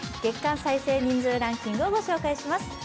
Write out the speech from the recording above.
月間再生人数ランキングをご紹介します。